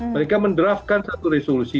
mereka mendraftkan satu resolusi